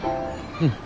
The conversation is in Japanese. うん。